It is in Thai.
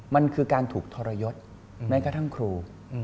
มันคือการถูกทรยศแม้กระทั่งครู